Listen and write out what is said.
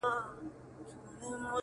کورنۍ پرېکړه کوي په وېره